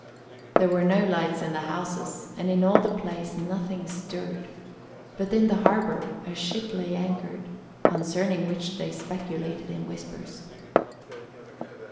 There were no lights in the houses and in all the place nothing stirred; but in the harbour a ship lay anchored, concerning which they speculated in whispers.